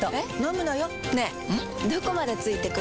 どこまで付いてくる？